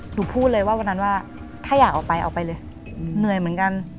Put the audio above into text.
พูดเลยว่าวันนั้นว่าถ้าอยากออกไปเอาไปเลยเหนื่อยเหมือนกัน